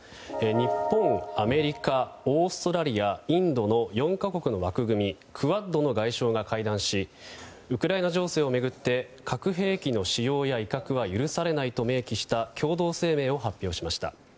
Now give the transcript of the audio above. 日本、アメリカ、オーストラリアインドの４か国の枠組みクアッドの外相が会談しウクライナ情勢を巡って核兵器の使用や威嚇は許されないと明記した共同声明を発表しました。